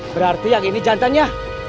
berarti yang ini jantannya